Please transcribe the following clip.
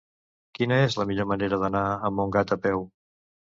Quina és la millor manera d'anar a Montgat a peu?